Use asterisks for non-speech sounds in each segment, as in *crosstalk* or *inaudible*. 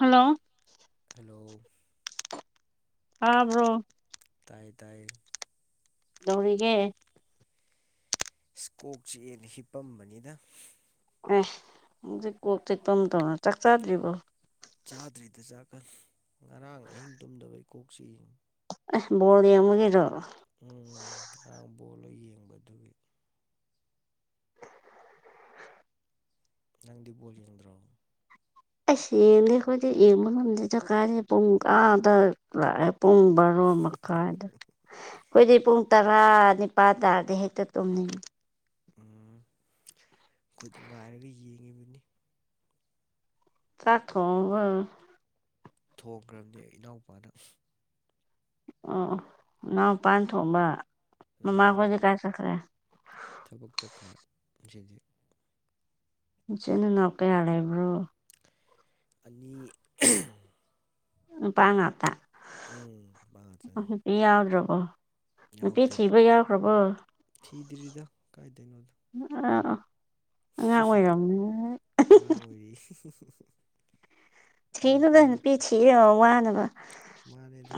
hello hello ꯑꯥꯕ꯭ꯔꯣ ꯇ ꯇ ꯧꯔꯤꯒ ꯏꯁꯀꯣꯛ ꯆꯦꯅ ꯍꯤꯞꯄꯝꯕꯅꯤꯅ ꯑꯦ ꯍꯧꯖꯤꯛ ꯀꯣꯛ ꯆꯦꯛꯛꯇꯝ ꯇꯧꯅ ꯆꯥꯛ ꯆꯥꯗ꯭ꯔꯤꯕꯔꯤꯕꯣ ꯆꯥꯗ꯭ꯔꯤꯗ ꯆꯥꯀꯟ ꯉꯔꯥꯡ ꯑꯍꯤꯡ ꯇꯨꯝꯗꯕꯩ ꯀꯣꯛꯁꯤ ꯑꯦ ꯕꯣꯔꯗ ꯌꯦꯡꯉꯨꯒꯤꯔꯣ ꯎꯝ ꯉꯔꯥꯡ ꯕꯣꯜꯂ ꯌꯦꯡꯕꯗꯨꯒꯤ ꯅꯪꯗꯤꯕꯣꯜ ꯌꯦꯡꯗ꯭ꯔꯣ ꯑꯁꯗꯤ ꯏꯗ ꯀꯥꯦ ꯄꯨꯡ ꯑꯥꯗ ꯄꯨꯡ ꯕꯥꯔꯣ ꯃꯈꯥꯏꯗ ꯑꯩꯈꯣꯏꯗꯤ ꯄꯨꯡ ꯇꯔꯥ ꯅꯤꯄꯥꯜ ꯇꯥꯔꯗꯤ ꯍꯦꯛꯇ ꯇꯨꯝꯅꯤꯡꯉꯤ ꯎ ꯈꯨꯠ ꯉꯥꯏꯔꯒ ꯌꯦꯡꯉꯤꯕꯅꯤ ꯆꯥꯛꯈꯣ ꯑ ꯊꯣꯡꯈ꯭ꯔꯕꯅꯦ ꯑꯩ ꯏꯅꯥꯎꯄꯥꯅ ꯑꯣ ꯅꯎꯄꯥꯟ ꯊꯣꯡꯕ ꯎꯝ ꯃꯃꯈꯖꯤ ꯀꯥꯏ ꯆꯈ꯭ꯔꯦ ꯗꯤ ꯏꯆꯅ ꯅ ꯀꯩ ꯌꯥꯔ ꯂꯩꯕ꯭ꯔꯣ ꯑꯅꯤ ꯎ ꯄꯥꯡ ꯉꯇꯤ ꯎꯝ ꯃꯥ ꯉꯥꯛꯇꯅꯤ ꯌꯥꯎꯗ꯭ꯔꯕꯣ ꯅꯨꯄꯤ ꯌꯥꯎꯗꯦ ꯊꯩꯕ ꯌꯥꯈ꯭ꯔꯕꯨ ꯊꯤꯗ꯭ꯔꯤꯗ ꯀꯥꯏꯗꯩꯅꯣꯗ ꯑ ꯑꯉꯥꯡ ꯑꯣꯏꯔꯝꯅꯤ ꯑꯉꯥꯡ ꯑꯣꯏꯔꯤ ꯑꯉꯥꯡ ꯊꯤꯅꯨꯗ ꯑꯉꯥꯡ ꯅꯨꯄꯤ ꯊꯤꯔꯒ ꯋꯥꯅꯕꯅꯦ ꯃꯥꯅꯦꯗ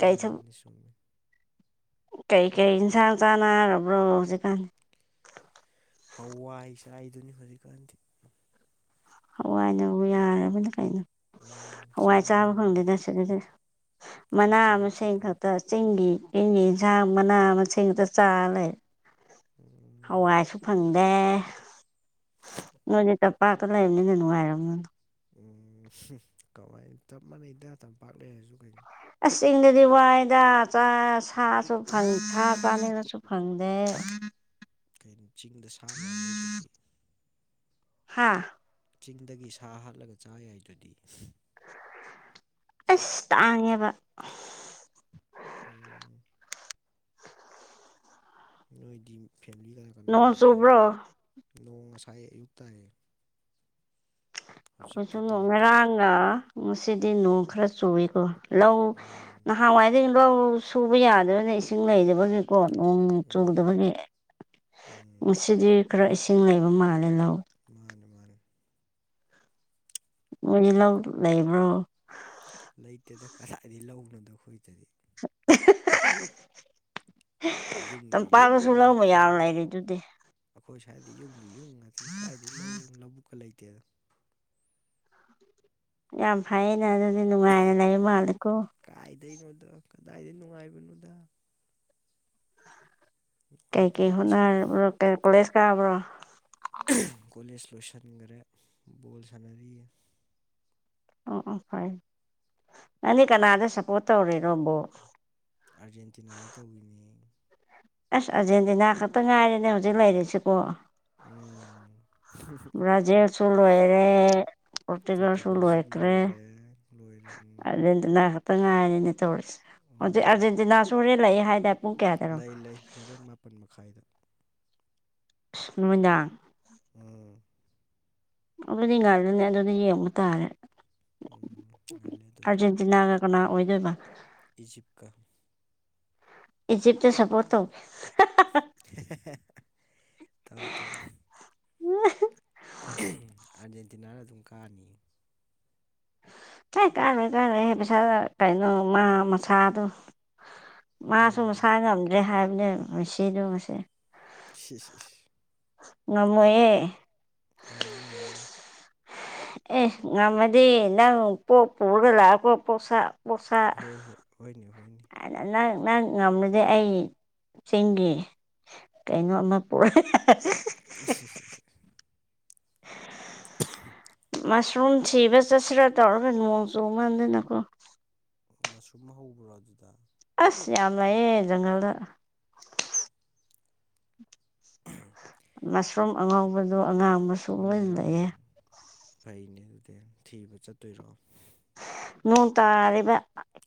ꯋꯥꯅꯕꯅꯤ ꯁꯨꯝꯃꯤ ꯀꯩꯀꯩ ꯏꯟꯁꯥꯡ ꯆꯥꯅꯔꯕ꯭ꯔꯣ ꯍꯧꯖꯤꯛꯀꯥꯟ ꯍꯋꯥꯏꯁꯥꯏꯗꯨꯅꯤ ꯍꯧꯖꯤꯛꯀꯥꯟꯗꯤ ꯍꯋꯥꯏꯅꯕꯨ ꯌꯥꯔꯕꯅ ꯀꯩꯅꯣ ꯍꯋꯥꯏ ꯁꯝꯃꯦ ꯆꯥꯕ ꯍꯋꯥꯏ ꯐꯪꯗꯦꯗ ꯁꯤꯗꯗꯤ ꯃꯅꯥ ꯀꯩ ꯃꯁꯤꯡ ꯆꯥꯏ ꯃꯁꯤꯡ ꯑꯗꯨꯗꯤ ꯈꯛꯇ ꯆꯤꯡꯒꯤ ꯏꯪ ꯌꯦꯟꯁꯥꯡ ꯃꯅꯥ ꯃꯁꯤꯡꯗ ꯆꯥꯔ ꯂꯩ ꯎꯝ, ꯍꯋꯥꯏꯁꯨ ꯐꯪꯉꯤ ꯑꯦ ꯅꯣꯏꯅꯦ ꯆꯞꯄꯥꯛꯇ ꯂꯩꯕꯅꯤꯅ ꯅꯨꯡꯉꯥꯏꯔꯕꯝꯅꯤꯅ ꯎ ꯀꯃꯥꯏꯅ ꯆꯞ ꯃꯥꯟꯅꯩꯗ ꯇꯝꯄꯥꯛ ꯂꯩꯔꯁꯨ ꯀꯩꯅꯣ ꯑꯤꯡꯗꯗꯤ ꯋꯥꯏꯗ ꯁꯥꯁꯨ ꯐꯪ ꯊ ꯆꯥꯅꯤꯡꯉꯁꯨ ꯐꯪꯗꯦ ꯎꯝ ꯀꯣ ꯆꯤꯡꯗ ꯁꯥ ꯃꯌꯥꯝ ꯂꯩꯗꯗꯤ ꯍꯥꯥ ꯆꯤꯡꯗꯒꯤ ꯁꯥ ꯍꯥꯠꯂꯒ ꯆꯥ ꯌꯥꯏꯗꯨꯗꯤ ꯏꯁ ꯇꯥꯉꯦꯕ ꯎꯝ, ꯅꯣꯏꯗꯤ ꯐꯦꯃꯤꯂꯤ ꯀꯅꯥ ꯀꯅꯥ ꯅꯣꯡ ꯂꯩꯒꯦ ꯆꯨꯕ꯭ꯔꯣ ꯅꯣꯡ ꯉꯁꯥꯏ ꯑꯌꯨꯛꯇꯥꯏ ꯑꯩꯈꯣꯏꯁꯨ ꯅꯣꯡ ꯉꯔꯥꯡꯒ ꯉꯁꯤꯗꯤ ꯅꯣꯡ ꯈꯔ ꯆꯨꯏꯀꯣ ꯂꯧ ꯎꯝ ꯅꯍꯥꯟꯋꯥꯏꯗꯒꯤ ꯂꯧ ꯁꯨꯕ ꯌꯥꯗꯕꯅ ꯏꯁꯤꯡ ꯂꯩꯗꯕꯒꯤ ꯀꯣ ꯅꯣꯡ ꯎꯝ ꯆꯨꯗꯕꯒꯤ ꯎꯝ ꯉꯁꯤꯗꯤ ꯈꯔ ꯏꯁꯤꯡ ꯂꯩꯕ ꯃꯥꯜꯂꯦ ꯂꯧ ꯃꯥꯅꯦ ꯃꯥꯅꯦ ꯃꯣꯏ ꯂ ꯂꯩꯕ꯭ꯔꯣ ꯂꯩꯇꯦꯗ ꯀꯗꯥꯏꯗꯒꯤ ꯂꯧꯅꯣꯗꯣ ꯑꯩꯈꯣꯏꯗꯗꯤ *inaudible* ꯌꯨꯝꯒꯤ ꯌꯨꯝ ꯇꯝꯄꯥꯛꯗꯁꯨ ꯂꯧꯕ ꯌꯥ ꯂꯩꯔꯦ ꯑꯗꯨꯗꯤ ꯍꯥꯏꯕꯗꯤ ꯌꯨꯝꯒꯤ ꯌꯨꯝ ꯉꯁꯤꯅꯤ ꯀꯥꯏꯗꯒꯤꯩ ꯂꯧꯕꯨꯛꯀ ꯂꯩꯇꯦꯗ ꯌꯥꯝ ꯐꯩꯌꯦꯩꯅ ꯑꯗꯨꯗꯤ ꯅꯨꯡꯉꯥꯏꯅ ꯂꯩ ꯃꯥꯜꯂꯦꯀꯣ ꯀꯗꯩꯅꯣꯗ ꯀꯗꯥꯏꯗ ꯅꯨꯡꯉꯥꯏꯕꯅꯣꯗ ꯀꯩ ꯀꯩ ꯅꯨꯡꯉꯥꯏꯇꯦꯗ ꯀꯩꯁꯨ ꯍꯣꯠꯅꯔꯕ꯭ꯔ ꯀꯣꯂꯦꯖ ꯀꯥꯕ꯭ꯔꯣ ꯀꯣꯂ ꯁꯂꯣꯁꯟ ꯉꯔꯦ ꯣꯜ ꯁꯂꯗꯤ ꯑꯣ ꯑꯣ ꯐꯔ ꯅꯪꯗꯤ ꯀꯅꯥꯗ ꯁꯞꯄꯣꯔꯠ ꯇꯧꯔꯤꯅꯣꯕꯣ ꯑꯥꯔꯖꯦꯟꯇꯤꯅꯥꯗ ꯇꯧꯋꯤꯅꯦ ꯑꯁ ꯑꯥꯔꯖꯦꯟꯇꯤꯅꯥ ꯈꯛꯇ ꯉꯥꯏꯔꯤꯅꯦ ꯍꯧꯖꯤꯛ ꯂꯩꯔꯤꯁꯤꯀꯣ ꯎꯝ ꯕ꯭ꯔꯥꯖꯤꯜ ꯆꯜ ꯍ ꯔꯦ ꯄꯣꯔꯇꯨꯒꯜ ꯆꯂ ꯄꯣꯔꯇꯨꯒꯜꯁꯨ ꯍꯈ ꯔꯦ ꯂꯣꯏꯔꯦ ꯂꯣꯏꯔꯦ ꯎꯝ ꯑꯥꯔꯖꯦꯟꯇꯤꯅꯥ ꯈꯛꯇ ꯉꯥꯏꯔꯤꯅꯦ ꯇꯧꯔꯁꯦ ꯍꯧꯖꯤꯛ ꯎꯝ ꯑꯥꯔꯖꯦꯟꯇꯤꯅꯥꯁꯨ ꯍꯣꯔꯦꯟ ꯂꯛꯑꯦ ꯍꯥꯏꯗ ꯂꯩ ꯂꯩ ꯃꯣꯔꯦꯟ ꯃꯥꯄꯟ ꯃꯈꯥꯏꯗ ꯅꯨꯃꯤꯗꯥ ꯎꯝ ꯑꯗꯨꯗꯤ ꯉꯗꯅꯦ ꯑꯗꯨꯗꯤ ꯌꯦꯡꯕ ꯇꯥꯔꯦ ꯎꯝ ꯉꯜꯂꯦ ꯑꯗꯨꯗꯤ ꯑꯥꯔꯖꯦꯟꯇꯤꯅꯥꯒ ꯀꯅꯥ ꯑꯣꯏꯖꯣꯏꯕ ꯏꯖꯤꯞꯀ ꯏꯖꯤꯞꯇ ꯁꯄꯣ ꯇꯧ ꯇꯥꯎ ꯇꯣ ꯎꯝ ꯑꯔꯖꯦꯟꯇꯤꯅꯥꯅ ꯑꯗꯨꯝ ꯀ ꯑꯅꯤ ꯁ ꯀꯥꯟꯅꯩ ꯀꯥꯅꯩ ꯄꯩꯁꯥ ꯀꯩꯅꯣ ꯃꯥ ꯃꯁꯥꯗꯨ ꯃꯥꯁꯨ ꯎꯝ ꯃꯁꯥ ꯉꯝꯗ꯭ꯔꯦ ꯍꯥꯏꯕꯅꯦ ꯃꯁꯤꯗꯨ ꯉꯁꯤ ꯁꯤ ꯉꯃꯑꯦ ꯉꯝꯅꯤ ꯉꯝꯅꯤ ꯑꯦ ꯉꯃꯗꯤ ꯏ ꯏ ꯄ ꯄꯨꯔ ꯂ ꯄꯣ ꯄꯣꯁ ꯄꯣꯁꯥ ꯍꯣꯏ ꯍꯣꯏ ꯍꯣꯏꯅꯦ ꯍꯣꯏꯅꯦ ꯑꯅꯅ ꯅ ꯉꯝꯂꯗꯤꯦ ꯑꯩ ꯆꯤꯡꯒꯤ ꯀꯩꯅꯣ ꯑꯃ ꯄꯨꯔꯛꯑꯦ *unintelligible* *unintelligible* ꯃꯁꯔꯨꯝ ꯊꯤꯕ ꯆꯠꯁꯤꯔꯥ ꯇꯧꯔꯒ ꯅꯣꯡ ꯆꯣꯡ ꯉꯥꯟꯗꯅꯀꯣ ꯃꯁꯨꯝ ꯍꯧꯕ꯭ꯔꯣ ꯑꯗꯨꯗ ꯑꯁ ꯌꯥꯝ ꯂꯩꯌꯦ ꯖꯪꯒꯜꯗ ꯃꯁꯔꯨꯝ ꯑꯉꯧꯕꯗꯣ ꯑꯉꯥꯡꯕꯁꯨ ꯂꯣꯏ ꯎꯝ ꯂꯩꯌꯦꯦ ꯐꯩꯅꯦ ꯑꯗꯨꯗꯤ ꯊꯤꯕ ꯆꯠꯇꯣꯏꯔꯣ ꯅꯣꯡ ꯇꯥꯔꯕ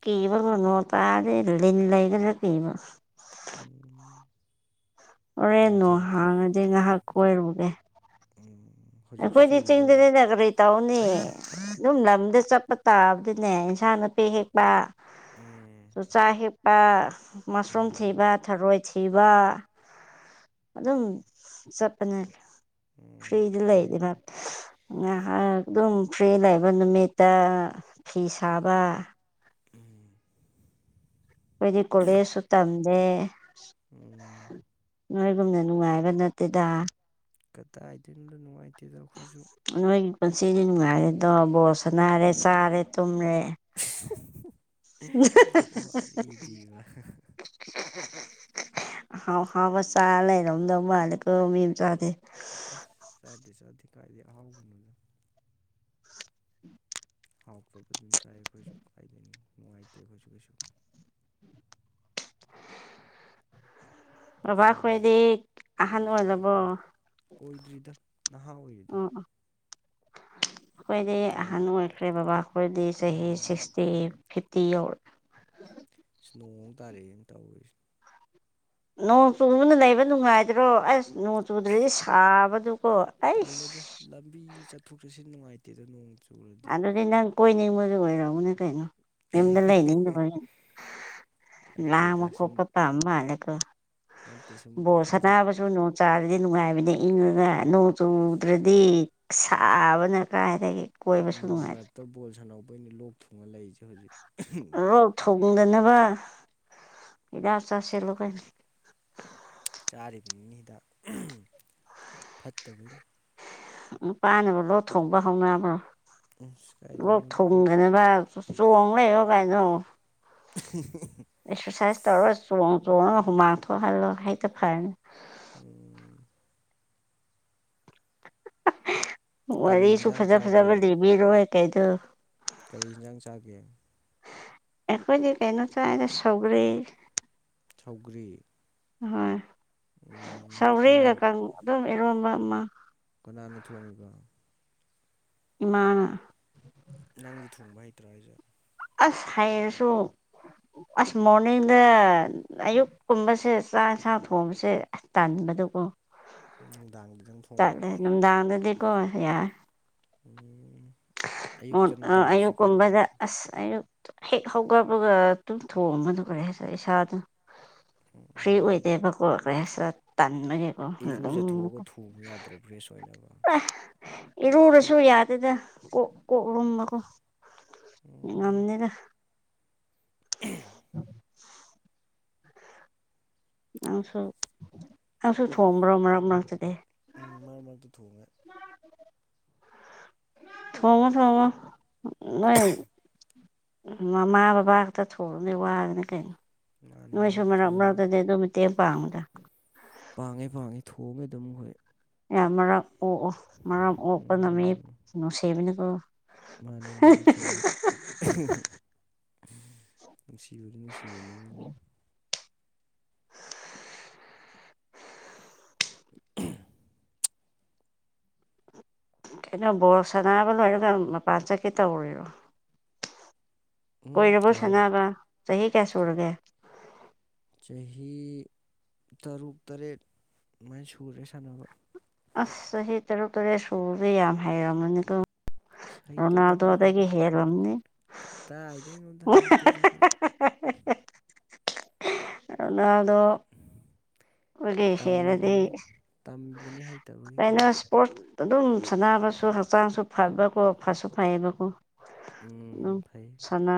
ꯀꯕ ꯅꯣꯡ ꯇꯥꯔꯦ ꯂꯤ ꯂꯩꯒ꯭ꯔ ꯀꯕ *unintelligible* ꯎꯝ ꯍꯣꯔꯦꯟ ꯅꯣ ꯅꯊꯟ ꯍꯥꯡꯉꯗꯤ ꯉꯥꯏꯍꯥꯛ ꯀꯣꯏꯔꯨꯒꯦ ꯎꯝ ꯍꯧꯖꯤꯛꯁꯨ ꯈꯣꯏꯗꯤ ꯆꯨꯔꯤꯕꯕ ꯆꯤꯡꯗꯅꯦꯅꯦꯔꯔꯤꯇ ꯀꯧꯅꯦ ꯑꯗꯨꯝ ꯂꯝꯗ ꯆꯠꯄ ꯇꯥꯕꯗꯤꯅꯦ ꯏꯟꯁꯥꯡ ꯅꯄꯤ ꯍꯦꯛꯄ ꯎꯝ ꯆꯨꯆꯥꯥꯛ ꯍꯤꯞꯄ ꯃꯣꯁꯔꯨꯝ ꯎꯝ ꯊꯤꯕ ꯊꯔꯣꯏ ꯊꯤꯕ ꯑꯗꯨꯝ ꯆꯠꯄꯅꯦ ꯎꯝ ꯐꯔꯤ ꯏꯂ ꯏꯗꯤ ꯐꯩ ꯃꯥ ꯐꯩ *inaudible* ꯉꯥꯏꯍꯥꯛ ꯑꯗꯨꯝ ꯐ꯭ꯔꯤ ꯂꯩꯕ ꯅꯨꯃꯤꯠꯇ ꯐꯤ ꯁꯥꯕ ꯎꯝ ꯑꯈꯣꯏꯗꯤ ꯀꯣꯂꯦꯁꯁꯨ ꯇꯝꯗꯦ ꯎꯝ ꯅꯣꯏꯒꯨꯝꯅ ꯅꯨꯡꯉꯥꯏꯕ ꯅꯠꯇꯦꯗ ꯀꯗꯥꯏꯗꯣꯏꯅꯣꯗ ꯅꯨꯡꯉꯥꯏꯇꯦꯗ ꯑꯩꯈꯣꯏꯁꯨ ꯅꯣꯏꯒꯤ ꯄꯨꯟꯁꯤꯗꯤ ꯅꯨꯡꯉꯥꯏꯔꯦꯗꯣ ꯕꯣꯜ ꯁꯥꯟꯅꯔꯦ ꯆꯥꯔꯦ ꯇꯨꯝꯔꯦ *unintelligible* ꯎ ꯋꯥꯔꯤꯗꯤꯕ *inaudible* ꯑꯍꯥꯎ ꯑꯍꯥꯎꯕ ꯆꯥ ꯂꯩꯔꯝꯗꯧ ꯃꯥꯟꯂꯤꯀꯣ ꯃꯤ ꯃꯆꯥꯗꯤ ꯑꯦꯁ ꯆꯗꯦ ꯆꯗꯦ ꯀꯥꯏꯗꯗꯒꯤ ꯑꯍꯥꯎꯕꯅꯣꯗ ꯍꯥꯎꯇꯕ ꯑꯗꯨꯝ ꯆꯥꯏ ꯑꯩꯈꯣꯏꯁꯨ ꯀꯥꯏꯗꯅꯤ ꯅꯨꯡꯉꯥꯏꯇꯦ ꯑꯩꯈꯣꯏꯁꯨ ꯀꯩꯁꯨ ꯕꯕ ꯑꯁ ꯅꯣꯡ ꯈꯣꯏꯗꯤ ꯑꯍꯥꯟ ꯅꯣꯡ ꯑꯣꯏ ꯂꯕꯣ ꯇꯥꯔꯛꯑꯦꯅꯦ ꯑꯣꯏꯗ꯭ꯔꯤꯗ ꯅꯍꯥ ꯑꯣꯏꯔꯤꯗ ꯑꯩꯈꯣꯏꯗꯤ ꯅꯣꯡ ꯑꯍꯟ ꯑꯣꯏꯈ꯭ꯔꯦ ꯕꯕꯥ ꯑꯩꯈꯣꯏꯗꯤ ꯆꯍꯤ ꯎꯝ ꯁꯤꯛꯁꯇꯤ ꯐꯤꯞ ꯥꯌꯥꯎꯔꯦ ꯅꯣꯡ ꯑꯃꯨꯛ ꯇꯥꯔꯛꯑꯦꯅꯦ ꯇꯧꯔꯤꯁꯤ ꯅꯣꯡ ꯆꯨꯕꯅ ꯂꯩꯕ ꯅꯨꯡꯉꯥꯏꯗ꯭ꯔꯣ ꯑꯁ ꯅꯣꯡ ꯑꯁ ꯆꯨꯗ꯭ꯔꯗꯤ ꯁꯥꯕ ꯇꯜꯂꯦꯗ ꯂꯝꯕꯤ ꯆꯠꯊꯣꯛ ꯆꯠꯁꯤꯟ ꯅꯨꯡꯉꯥꯏꯇꯦꯗ ꯅꯣꯡ ꯆꯨꯔꯗꯤ ꯑꯗꯨꯗꯤ ꯅꯪ ꯀꯣꯏꯅꯤꯡꯕꯗꯨ ꯑꯣꯏꯔꯝꯀꯅꯤ ꯀꯩꯅꯣ ꯌꯨꯝꯗ ꯂꯩꯅꯤꯡꯗꯕ ꯂꯥꯡꯕ ꯅꯠꯇꯦꯗ ꯁꯨꯝ ꯈꯣꯠꯄ ꯄꯥꯝꯕ ꯃꯥꯜꯂꯦꯒꯣ ꯅꯠꯇꯦ ꯁꯨꯝ ꯕꯣꯜ ꯆꯠ ꯁꯅꯥꯕꯁꯨ ꯅꯣꯡ ꯆꯔꯗꯤ ꯅꯨꯡꯉꯥꯏꯕꯅꯦ ꯏꯪꯉꯒ ꯅꯣꯡ ꯆꯨꯗ꯭ꯔꯗꯤ ꯁꯥꯕꯅ ꯀꯥꯏꯗꯒꯤ ꯀꯣꯏꯕꯁꯨ ꯅꯣꯡ ꯅꯨꯡꯉꯥꯏꯇꯦ ꯃꯔꯛꯇ ꯕꯣꯜ ꯁꯥꯟꯍꯧꯕꯩꯅꯦ ꯂꯣꯛ ꯊꯨꯡꯉ ꯂꯩꯁꯦ ꯑ ꯊ *inaudible* ꯊꯨꯡꯗꯅꯕ ꯍꯤꯗꯥꯛ ꯆꯥꯁꯤꯂꯨ ꯀꯩꯅꯣ ꯆꯥꯔꯤꯕꯅꯦ ꯍꯤꯗꯥꯛ ꯐꯠꯇꯕꯩꯅꯤ ꯅꯨꯄꯥꯅꯕꯨ ꯂꯣꯛ ꯊꯣꯡꯕ ꯍꯥꯎꯅꯕ꯭ꯔꯣ ꯑꯁ ꯂꯣꯛ ꯀꯥꯏꯗꯩꯅꯣꯗ ꯑꯩ ꯊꯣꯡꯗꯅꯕ ꯆꯣꯡ ꯂꯩꯌꯣ ꯀꯥꯏꯅꯣ ꯑꯦꯛꯁꯔꯁꯥꯏꯁ ꯇꯧꯔ ꯆꯣꯡ ꯇꯨ ꯃꯥꯡꯊ ꯍꯥꯏꯜꯂꯣ ꯍꯩꯇ ꯐꯔꯅꯤ ꯎꯝ ꯀꯔꯤ ꯋꯥꯔꯤꯁꯨ ꯍꯤꯟꯖꯥꯡ ꯐꯖ ꯆꯥꯒꯦ ꯐꯖꯕ ꯂꯤꯕꯤꯔꯣꯏ ꯀꯩꯗꯣ ꯀꯔꯤ ꯌꯦꯟꯁꯥꯡ ꯆꯥꯒꯦ ꯑꯩꯈꯣꯏꯗꯤ ꯀꯩꯅꯣ ꯆꯥꯢꯗ ꯁꯨꯒ꯭ꯔꯤ ꯁꯧꯒ꯭ꯔꯤ ꯍꯣꯏ ꯎꯝ ꯀꯅꯥ ꯁꯧꯒ꯭ꯔꯤꯀ ꯑꯗꯨꯝ ꯏꯔꯣꯟꯕ ꯑꯃ ꯀꯅꯥꯅ ꯊꯣꯡꯉꯤꯕ ꯏꯃꯥ ꯅꯪꯗꯤ ꯊꯣꯡꯕ ꯍꯩꯇ꯭ꯔꯣ ꯍꯥꯏꯁꯦ ꯑꯁ ꯍꯩꯔꯁꯨ ꯑꯁ ꯃꯣꯔꯅꯤꯡꯗ ꯑꯌꯨꯛ ꯀꯨꯝꯕꯁꯦ ꯆꯥꯛ ꯌꯦꯟꯁꯥꯡ ꯊꯣꯡꯕꯁꯦ ꯑꯁ ꯇꯥꯟꯂꯦ ꯑꯗꯨꯀꯣ ꯅꯨꯡꯗꯥꯡꯗꯗꯪ ꯊꯣꯡꯕ꯭ꯔꯥ ꯆꯠꯂꯦ ꯅꯨꯡꯗꯥꯡꯗꯗꯤꯀꯣ ꯌꯥꯔꯦ ꯎꯝ *inaudible* ꯑꯌꯨꯛꯇꯅ ꯑ ꯑꯌꯨꯛ ꯇꯜꯂꯤꯁꯤ ꯀꯩꯒꯤꯅꯣ ꯀꯨꯝꯕꯗ ꯑꯁ ꯑꯌꯨꯛ ꯍꯦꯛ ꯍꯧꯒꯠꯕꯒ ꯑꯗꯨꯨꯝ ꯊꯣꯝꯊꯣꯛꯄꯅ ꯐꯩ ꯍꯥꯏ ꯏꯁꯥꯗ ꯐ꯭ꯔꯤ ꯑꯣꯏꯗꯦꯕ ꯀꯣ ꯀꯩ ꯍꯥꯢꯁꯤꯂ ꯏꯔꯨꯖꯊꯣꯛꯑꯒ ꯃꯀ *inaudible* ꯊꯣꯡꯕ ꯌꯥꯗ꯭ꯔꯣ ꯐ꯭ꯔꯦꯁ ꯑꯣꯏꯅꯕ ꯏꯔꯨꯔꯁꯨ ꯌꯥꯗꯦꯗ ꯀꯣꯛ ꯀꯣꯛꯔꯨꯝꯕꯒꯣ ꯎꯝ ꯉꯝꯅꯤꯗ *inaudible* ꯅꯪꯁꯨ ꯅꯪꯁꯨ ꯊꯣꯡꯕ꯭ꯔꯣ ꯃꯔꯝ ꯃꯔ ꯑꯗꯨꯗꯤ ꯎꯝ ꯃꯔ ꯃꯔꯛꯇ ꯊꯣꯡꯉꯦ ꯊꯉꯣ ꯊꯉ ꯃꯃꯥ ꯕꯕꯥ ꯈꯛꯇ ꯊꯣꯅꯦ ꯋꯥꯗꯅꯦ ꯀꯩꯅꯣ ꯃꯥꯅꯤ ꯅꯣꯏꯁꯨ ꯃꯥꯅꯤ ꯃꯔꯛ ꯊꯣꯡꯉꯦ ꯃꯔꯛꯇꯗꯤ ꯑꯗꯨ ꯃꯇꯦꯡ ꯄꯥꯡꯉꯨꯗ ꯄꯥꯡꯉꯦ ꯄꯥꯡꯉꯦ ꯊꯣꯡꯉꯦ ꯑꯗꯨꯝ ꯑꯩꯈꯣꯏ ꯌꯥ ꯃ ꯑꯣ ꯑꯣ ꯃ ꯑꯣꯄ ꯎꯝ ꯅꯣ ꯁꯦꯕꯅ ꯀ ꯃꯥꯅꯤ ꯃꯥꯅꯤ ꯆꯨꯝꯃꯦ ꯁꯤꯁꯤꯖꯤꯅꯦ ꯃꯤ *inaudible* *unintelligible* ꯀꯩꯅꯣ ꯕꯣꯔꯣꯛ ꯁꯅꯥꯕ ꯂꯣꯏꯔꯒ ꯃꯄꯥꯟ ꯆꯠꯀꯤ ꯇꯧꯔꯤꯔꯣ ꯎꯝ ꯑꯣꯏꯣꯏꯔꯕꯣ ꯀꯩ ꯍꯥꯏꯅꯣ ꯁꯅꯥꯒ ꯆꯍꯤ ꯀꯌꯥ ꯁꯨꯔꯒꯦ ꯆꯍꯤ ꯇꯔꯨꯛ ꯇꯔꯦꯠ ꯑꯗꯨꯃꯥꯏꯅ ꯁꯨꯔꯦ ꯁꯥꯟꯅꯕ ꯑ ꯍꯇꯔꯛꯇꯔ ꯁꯨꯕ ꯌꯥ ꯍꯥꯏ ꯑꯁ ꯍꯩꯇꯦꯗ ꯔꯣꯅꯥꯜꯗꯣꯗꯒꯤ ꯍꯦꯜꯂꯝꯂꯝꯅꯤ ꯇꯗꯩꯅꯣꯗ ꯍꯥꯏꯩꯇꯦ ꯇꯈꯣꯏ ꯅꯗ ꯍꯧꯒꯦꯁꯦꯔꯗꯤ ꯇꯝꯃꯤꯕꯅꯤ ꯇꯝꯃꯤꯕꯅꯤ ꯍꯩꯇꯕꯒꯤ ꯀꯥꯏꯩꯅꯣ ꯀꯟꯅ ꯁꯄꯣꯠ ꯑꯗꯨꯝ ꯁꯥꯟꯅꯕꯁꯨ ꯍꯛꯆꯥꯡꯁꯨ ꯐꯕꯀꯣ ꯐꯁꯨ ꯐꯩꯌꯦꯕꯀꯣ ꯑꯗꯨꯝ ꯎꯝ ꯐꯩ ꯁꯅꯥ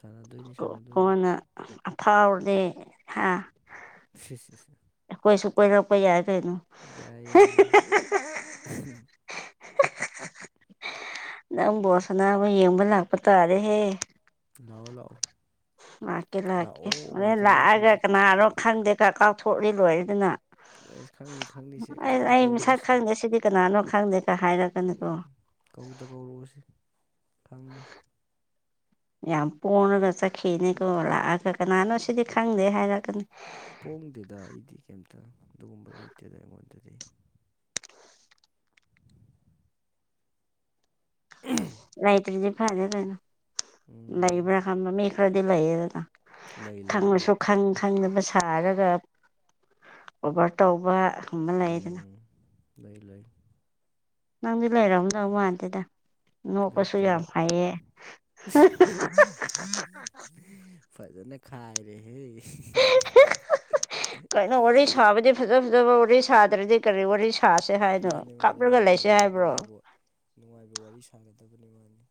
ꯁꯥꯟꯅꯗꯣꯏꯅꯤ ꯁꯥꯟꯅꯗꯣꯏꯅꯤ ꯀꯣꯟꯅ ꯑꯐꯥꯎꯗꯤꯦ ꯍꯥ ꯁꯤ ꯁꯤ ꯁꯤ ꯀꯩꯁꯨ ꯀꯩꯔꯄ ꯌꯥꯏ ꯀꯩꯅꯣ ꯌꯥꯏ ꯌꯥꯏ ꯅꯪ ꯕꯣꯁꯅꯥꯕꯨ ꯌꯦꯡꯕ ꯂꯥꯛꯄ ꯇꯥꯔꯦꯍꯦ ꯂ ꯂꯥꯛꯑꯣ ꯂꯥꯛꯀꯦ ꯂꯥꯛꯀꯦ ꯂꯥꯛꯑꯣ ꯑꯗꯩ ꯉꯥꯛꯇꯅꯤ ꯂꯥꯛꯑꯒ ꯑꯩꯈꯣꯏꯗꯤ ꯀꯅꯥꯅꯣ ꯈꯪꯗꯦ ꯀ ꯀꯥꯎꯊꯣꯛꯂꯤ ꯂꯣꯏꯔꯗꯅ ꯑꯁ ꯈꯪꯅꯤ ꯈꯪꯅꯤꯁꯦ ꯑꯩ ꯀꯧꯗ ꯑꯩ ꯃꯁꯛ ꯀꯧꯔꯛꯑꯣꯁꯤ ꯈꯪꯗꯦ ꯁꯤꯗꯤ ꯀꯅꯥꯅꯣ ꯈꯪꯗꯦ ꯀ ꯍꯥꯏꯔꯛꯒꯅꯤꯀꯣ ꯀꯧꯗ ꯀꯧꯔꯛꯑꯣꯁꯤ ꯈꯪꯅꯤ *unintelligible* ꯌꯥꯝ ꯄꯣꯔꯒ ꯆꯠꯈꯤꯅꯦꯀꯣ ꯂꯥꯛꯑꯒ ꯀꯅꯥꯅꯣ ꯁꯤꯗꯤ ꯈꯪꯗꯦ ꯍꯥꯏꯔꯛꯀꯅꯤ ꯄꯣꯡꯗꯦꯗ ꯑꯩꯗꯤ ꯀꯩꯝꯇ ꯑꯗꯨꯒꯨꯝꯕ ꯂꯩꯇꯦꯗ ꯑꯩꯉꯣꯟꯗꯗꯤ ꯎꯝ ꯂꯥꯏꯇꯔꯤꯗꯤ ꯐꯥꯏꯗꯦ ꯇꯅ ꯎꯝ ꯂꯏꯕ꯭ꯔꯥ ꯈꯥꯟ ꯃꯤ ꯈꯔꯗꯤ ꯂꯩꯏꯔ ꯂꯩ ꯂꯩ ꯂꯩ ꯈꯪꯉꯁꯨ ꯈꯪ ꯈꯪꯗꯕ ꯁꯥꯔꯒ ꯑꯣꯚꯔ ꯇꯧꯕꯒꯨꯝꯕ ꯂꯩꯗꯅ ꯎꯝ ꯂꯩ ꯂꯩ ꯅꯪꯗꯤ ꯂꯩꯔꯣ ꯅꯧ ꯃꯥꯟꯇꯦꯗ ꯅ ꯀꯁꯨ ꯂꯩꯇꯦꯗ ꯌꯥꯝꯝ ꯍꯥꯏꯌꯦ ꯐꯖꯅ ꯈꯥꯏꯔꯦꯦ ꯀꯩꯅꯣ ꯋꯥꯔꯤ ꯁꯥꯕꯗꯤ ꯐꯖ ꯐꯖꯕ ꯋꯥꯔꯤ ꯁꯥꯗ꯭ꯔꯗꯤ ꯀꯔꯤ ꯋꯥꯔꯤ ꯁꯥꯁꯦ ꯍꯥꯏꯅꯣ ꯃꯥꯅꯤ ꯃꯥꯅꯦ ꯀꯥꯞꯂꯒ ꯃꯥꯅꯤꯅꯨꯡ ꯂꯩꯁꯦ ꯍꯥꯏꯕ꯭ꯔꯣ ꯅꯨꯡꯉꯥꯏꯕ ꯅꯨꯡꯉꯥꯏꯕ ꯋꯥꯔꯤ ꯁꯥꯒꯗꯕꯅꯤ ꯃꯥꯅꯤ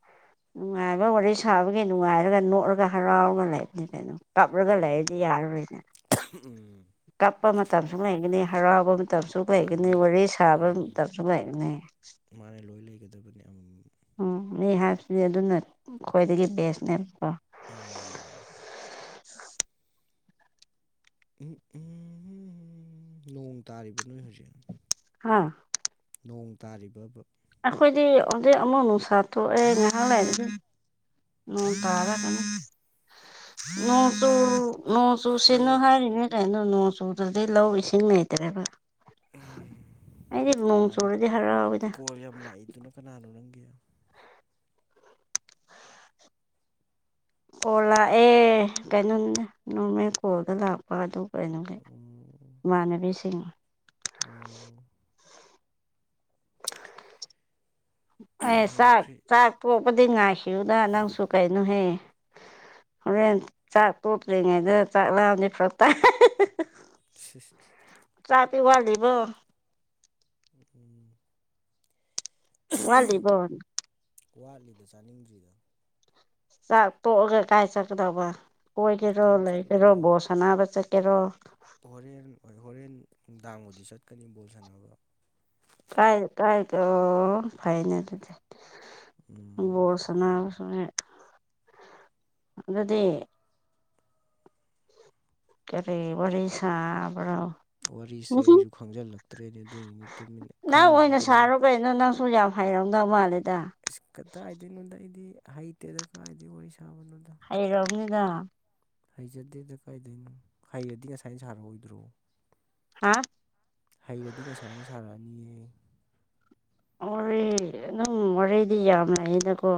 ꯅꯨꯡꯉꯥꯏꯕ ꯋꯥꯔꯤ ꯁꯥꯕꯒꯤ ꯅꯨꯡꯉꯥꯏꯔꯒ ꯅꯣꯠꯂꯒ ꯍꯔꯥꯎꯔꯒ ꯂꯩ ꯀꯩꯅꯣ ꯀꯞꯂꯒ ꯂꯩꯔꯗꯤ ꯎꯝ ꯌꯥꯔꯔꯣꯏꯅꯦ ꯎꯝ ꯀꯞꯄ ꯃꯇꯝꯁꯨ ꯂꯩꯒꯅꯤ ꯍꯔꯥꯎꯕ ꯃꯇꯝꯁꯨ ꯀꯩꯒꯅꯤ ꯃꯥꯅꯤ ꯋꯥꯔꯤ ꯁꯥꯕ ꯎꯝ ꯃꯇꯝꯁꯨ ꯂꯩꯩꯒꯅꯤ ꯒꯗꯕꯅꯤ ꯑꯃ ꯎꯝ ꯃꯤ ꯍꯥꯏꯕꯁꯤꯗꯤ ꯑꯗꯨꯅ ꯈ꯭ꯋꯥꯏꯗꯒꯤ ꯕꯦꯁꯅꯦꯕꯀꯣ ꯎꯝ ꯎꯝ ꯎꯝ ꯎꯝ ꯎꯝ ꯅꯣꯡ ꯇꯥꯔꯤꯕ ꯅꯣꯏ ꯍꯧꯖꯤꯛ ꯍꯥꯥ ꯅꯣꯡ ꯇꯥꯔꯤꯕ ꯑꯩꯈꯣꯏꯗꯤ ꯑꯗꯨꯗ ꯑꯃꯃꯣꯟꯁꯥꯇꯣꯛꯦ ꯉꯍꯂ ꯎ ꯎꯝ ꯇꯥꯕ ꯅꯣꯡ ꯇꯨ ꯀꯣꯜ ꯅꯣꯡ ꯇꯨ ꯁꯅꯣ ꯅꯪ ꯍꯥꯏꯔꯤꯅꯦ ꯀꯥꯏꯅꯣ ꯅꯣꯡ ꯆꯨꯗꯗꯤ ꯂꯧ ꯏꯁꯤꯡ ꯂꯩꯇ꯭ꯔꯦꯕ ꯎꯝ ꯑꯩꯗꯤ ꯅꯣꯡ ꯀꯅꯥꯅꯣ ꯆꯨꯔꯗꯤ ꯍꯔꯥꯎꯋꯤꯗ ꯀꯣꯜ ꯌꯥꯝ ꯂꯥꯛꯏꯗꯨꯅ ꯀꯅꯥꯅꯣ ꯅꯪꯒꯦ ꯀꯣꯜ ꯂꯥꯛꯑꯦ ꯀꯩꯅꯣ ꯅꯣꯔꯃꯦꯜ ꯀꯣꯜꯗ ꯂꯥꯛꯄ ꯑꯗꯨ ꯀꯩꯅꯣꯒꯤ ꯎꯝ ꯏꯃꯥꯟꯅꯕꯤꯁꯤꯡ ꯎꯝ ꯑ ꯁꯥ ꯅꯣꯏꯈ꯭ꯔꯤ ꯆꯄꯗꯤ ꯉꯥꯏꯈꯤꯕꯌꯨꯗ ꯅꯪꯁꯨ ꯀꯩꯅꯣꯍꯦ ꯍꯣꯔꯦꯟ ꯆꯥꯛ ꯇꯣꯠꯇ꯭ꯔꯤꯉꯩꯗ ꯆꯥꯛ ꯂꯥꯎꯗꯤꯦ ꯐ꯭ꯔꯛꯇ ꯁꯤ ꯀꯄꯤꯤ ꯋꯥꯜꯂꯤꯕ ꯎꯝ ꯋꯥꯂꯤꯕꯅꯤ ꯋꯥꯠꯂꯤꯗ ꯆꯥꯅꯤꯡꯗ꯭ꯔꯤꯗ ꯆꯥꯛ ꯇꯣꯛꯑꯒ ꯀꯥꯏ ꯆꯠꯀꯗꯕ ꯀꯣꯏꯒꯦꯔꯣ ꯀꯩꯝ ꯂꯩꯒꯦꯔꯣ ꯆꯠꯂꯣꯏꯗ ꯕꯣꯁ ꯑꯅꯥꯕ ꯆ ꯑꯦꯔꯣ ꯍꯣꯔꯦꯟ ꯍꯣꯏ ꯍꯣꯔꯦꯟ ꯅꯨꯡꯗꯥꯡꯕꯨꯗꯤ ꯆꯠꯀꯅꯤ ꯕꯣꯜ ꯁꯥꯟꯅꯕ ꯀꯥꯏ ꯀꯥꯏ ꯀ ꯑꯣ ꯐꯥꯏꯅ ꯇ ꯎꯝ ꯣꯠꯁꯅꯥꯁꯦ ꯑꯗꯨꯗꯤ ꯀꯔꯤ ꯁꯥꯥꯎꯕ ꯋꯥꯔꯤꯁꯦ ꯑꯩꯁꯨ ꯈꯪꯖꯤꯜꯂꯛꯇ꯭ꯔꯦꯅꯦ ꯑꯗꯨꯏꯅꯤꯅꯦ ꯇꯨꯃꯤꯟꯅ ꯈꯜꯂꯤꯅꯤ ꯀꯩꯒꯤ ꯄꯨꯖ ꯐꯥꯏꯔꯣꯒꯃ ꯃꯥꯜꯦ ꯀꯗꯥꯥꯏꯗ ꯅꯉꯣꯟꯗ ꯑꯩꯗꯤ ꯍꯩꯇꯦꯗ ꯀꯥꯏꯗꯤ ꯑꯣꯏꯁ ꯑꯩ ꯔꯝꯃꯤꯗ ꯍꯩꯖꯗꯦꯗ ꯀꯥꯏꯗꯣꯏꯅꯣ ꯍꯩꯔꯗꯤ ꯉꯁꯥꯏꯅ ꯁꯥꯔꯛꯑꯣꯏꯗ꯭ꯔꯣ ꯍꯥ ꯍꯩꯔꯗꯤ ꯉꯁꯥꯏꯅ ꯁꯥꯔꯛꯑꯅꯤꯌꯦ ꯋꯥꯦ ꯑꯗꯨꯝ ꯋꯥꯦꯗꯤ ꯌꯥꯝꯅꯅꯀꯣ